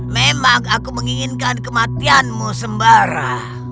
memang aku menginginkan kematianmu sembara